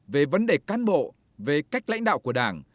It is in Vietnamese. về vấn đề cán bộ về cách lãnh đạo của đảng